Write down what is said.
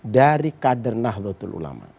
dari kadernah lotul ulama